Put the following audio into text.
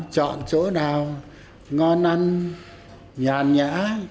chọn chỗ nào ngon ăn nhàn nhã